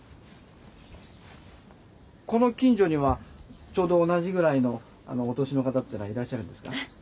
この近所にはちょうど同じぐらいのお年の方っていうのはいらっしゃるんですか？